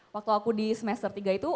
waktu aku di semester tiga itu